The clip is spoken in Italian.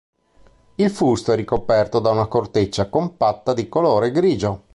Il fusto è ricoperto da una corteccia compatta, di colore grigio.